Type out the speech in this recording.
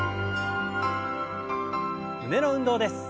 胸の運動です。